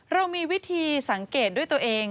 เรามีวิธีสังเกตด้วยตัวเอง